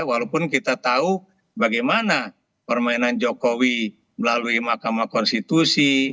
walaupun kita tahu bagaimana permainan jokowi melalui mahkamah konstitusi